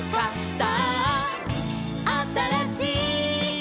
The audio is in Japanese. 「さああたらしい」